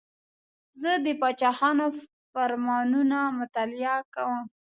زه د پاچاهانو فرمانونه مطالعه کوم.